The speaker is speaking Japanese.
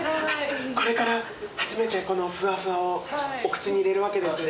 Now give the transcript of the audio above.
これから初めてこのフワフワをお口に入れるわけですね。